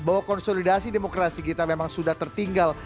bahwa konsolidasi demokrasi kita memang sudah tertinggal